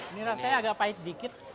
ini rasanya agak pahit dikit